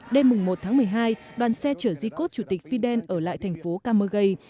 đêm một tháng một mươi hai đoàn xe chở di cốt chủ tịch fidel ở lại thành phố camaguey